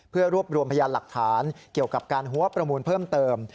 เพื่อรวบรวมพยานหลักฐานเกี่ยวกับการหัวประมูลเพิ่มเติม